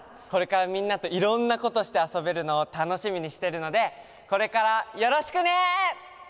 これからみんなといろんなことしてあそべるのをたのしみにしてるのでこれからよろしくね！